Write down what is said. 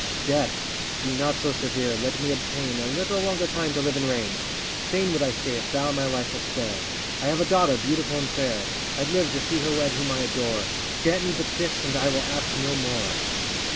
Death, be not so severe, let me obtain A little longer time to live and reign! Fain would I stay if thou my life will spare; I have a daughter beautiful and fair, I'd live to see her wed whom I adore: Grant me but this and I will ask no more.